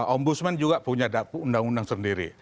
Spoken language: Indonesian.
ombudsman juga punya undang undang sendiri